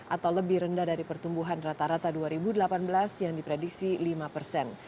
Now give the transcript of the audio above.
atau lebih rendah dari pertumbuhan rata rata dua ribu delapan belas yang diprediksi lima persen